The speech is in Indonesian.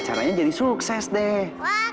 acaranya jadi sukses deh